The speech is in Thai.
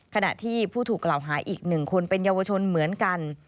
ขณะที่ผู้ถูกกล่าวหาอีก๑คนเป็นเยาวชนเหมือนกัน